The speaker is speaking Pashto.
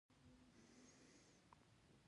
دا د بندیخانو او محبسونو عصري سیستم و.